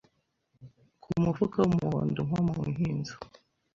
Ku mufuka w'umuhondo nko ku nkinzo